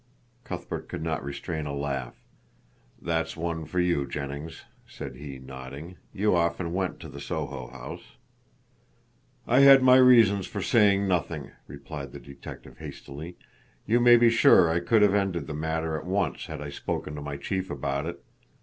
Cuthbert could not restrain a laugh. "That's one for you, Jennings," said he, nodding, "you often went to the Soho house." "I had my reasons for saying nothing," replied the detective hastily. "You may be sure I could have ended the matter at once had I spoken to my chief about it.